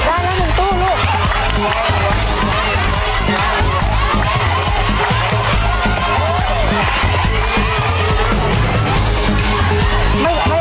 อ้าวได้แล้ว๑ตู้ลูก